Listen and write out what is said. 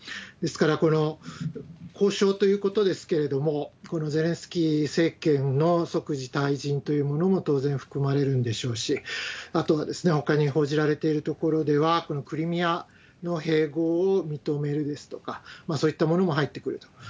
ですから、この交渉ということですけれども、このゼレンスキー政権の即時退陣というものも当然含まれるんでしょうし、あとはほかに報じられているところでは、このクリミアの併合を認めるですとか、そういったものも入ってくると。